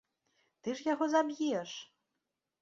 Ты ж яго заб'еш!